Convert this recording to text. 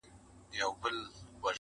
ای د نشې د سمرقند او بُخارا لوري